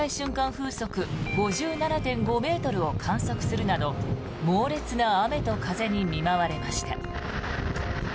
風速５７．５ｍを観測するなど猛烈な雨と風に見舞われました。